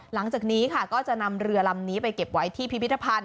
หลังจากนี้ค่ะก็จะนำเรือลำนี้ไปเก็บไว้ที่พิพิธภัณฑ์